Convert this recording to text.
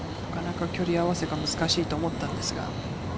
距離合わせが難しいと思ったのですが。